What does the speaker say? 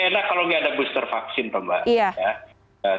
lebih enak kalau tidak ada booster vaksin teman teman